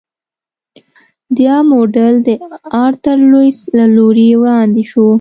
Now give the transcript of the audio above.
دا موډل د آرتر لویس له لوري وړاندې شو.